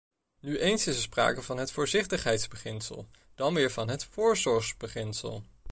Nu eens is er sprake van het voorzichtigheidsbeginsel, dan weer van het voorzorgsbeginsel.